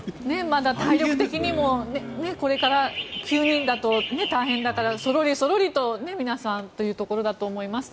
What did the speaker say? まだ体力的にもこれから急にだと大変だから、そろりそろりと皆さんというところだと思います。